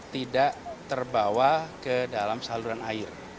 tidak terbawa ke dalam saluran air